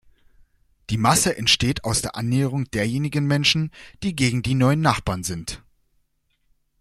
Die Masse entsteht aus der Annäherung derjenigen Menschen, die gegen die neuen Nachbarn sind.